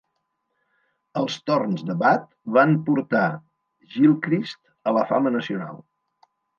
Els torns de bat van portar Gilchrist a la fama nacional.